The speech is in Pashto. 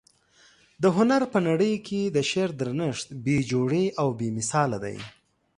د هنر په نړۍ کي د شعر درنښت بې جوړې او بې مثاله دى.